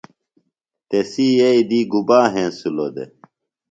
تسی یئی دی گُبا ہنسِلوۡ دےۡ؟